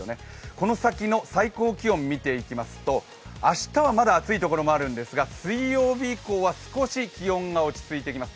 この先の最高気温を見ていきますと明日はまだ暑いところがあるんですが水曜日以降は少し気温が落ち着いてきます。